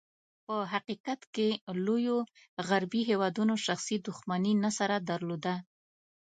په حقیقت کې، لوېو غربي هېوادونو شخصي دښمني نه سره درلوده.